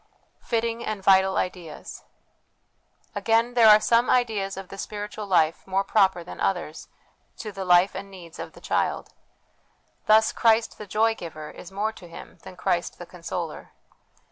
Fitting and Vital Ideas. Again, there are some ideas of the spiritual life more proper than others to the life and needs of the child. Thus, Christ the Joy giver is more to him than Christ the Consoler.